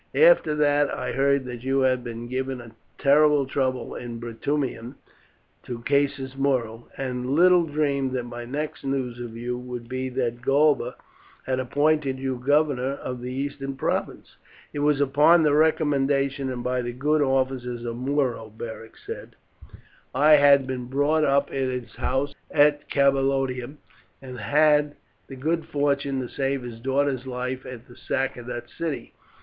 After that I heard that you had been giving terrible trouble in Bruttium to Caius Muro, and little dreamed that my next news of you would be that Galba had appointed you Governor of the Eastern Province." "It was upon the recommendation and by the good offices of Muro," Beric said. "I had been brought up at his house at Camalodunum, and had the good fortune to save his daughter's life at the sack of that city.